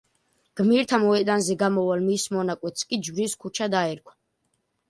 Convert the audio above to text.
გმირთა მოედანზე გამავალ მის მონაკვეთს კი ჯვრის ქუჩა დაერქვა.